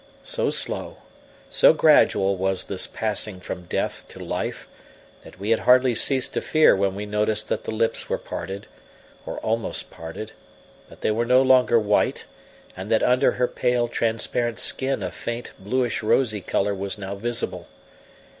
So slow, so gradual was this passing from death to life that we had hardly ceased to fear when we noticed that the lips were parted, or almost parted, that they were no longer white, and that under her pale, transparent skin a faint, bluish rosy colour was now visible.